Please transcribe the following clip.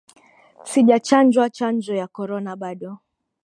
Sijachanjwa chanjo ya korona bado